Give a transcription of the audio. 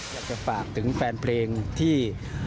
อยากจะฝากถึงแฟนเพลงที่